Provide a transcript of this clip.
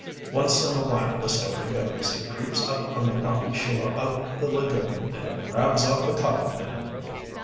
Once in awhile, the story goes, it creeps up on the rocky shore of the lagoon and grabs off a colored man.